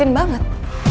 iya udah meninggal